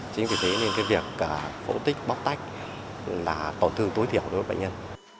chính vì thế nên cái việc phẫu tích bóc tách là tổn thương tối thiểu đối với bệnh nhân